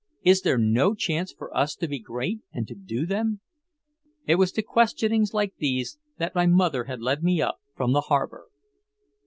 Is there no chance for us to be great and to do them?" It was to questionings like these that my mother had led me up from the harbor.